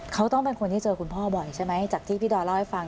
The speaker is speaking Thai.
เขาต้องเป็นคนที่เจอคุณพ่อบ่อยใช่ไหมจากที่พี่ดอยเล่าให้ฟัง